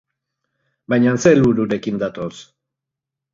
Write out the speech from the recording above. Baina ze helbururekin datoz?